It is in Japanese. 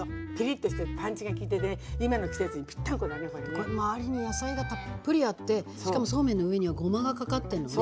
これ周りに野菜がたっぷりあってしかもそうめんの上にはごまがかかってんのね。